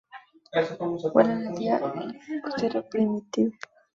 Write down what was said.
Vuelan de día y se las considera primitivas.